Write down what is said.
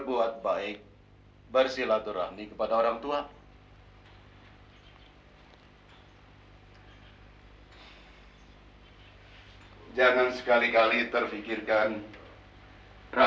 kita harus selalu taat dan menghormatinya